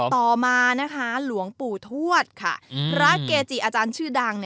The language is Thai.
ต่อมานะคะหลวงปู่ทวดค่ะพระเกจิอาจารย์ชื่อดัง